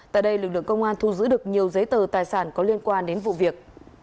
tại đây lực lượng công an thu giữ được nhiều giấy tờ tài sản có liên quan đến vụ việc